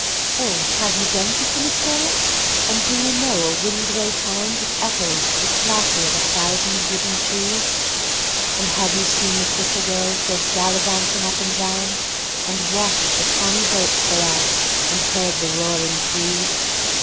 Oh, have you been to Finistère, and do you know a whin gray town That echoes to the clatter of a thousand wooden shoes? And have you seen the fisher girls go gallivantin' up and down, And watched the tawny boats go out, and heard the roaring crews?